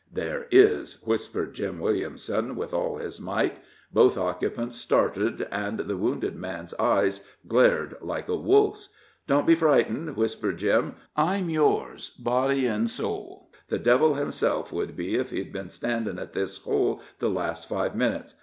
"There is!" whispered Jim Williamson, with all his might. Both occupants started, and the wounded man's eyes glared like a wolf's. "Don't be frightened," whispered Jim; "I'm yours, body and soul the devil himself would be, if he'd been standin' at this hole the last five minutes.